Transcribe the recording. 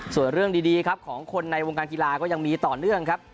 ส่วนเรื่องดีครับของคนในวงการกีฬาก็ยังมีต่อเนื่องครับ